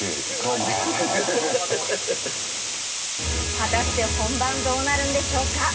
果たして本番、どうなるでしょうか？